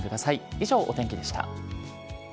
以上、お天気でした。